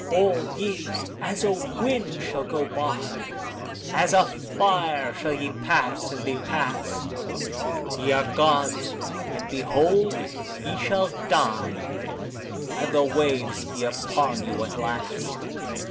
All ye as a wind shall go by, as a fire shall ye pass and be past; Ye are Gods, and behold, ye shall die, and the waves be upon you at last.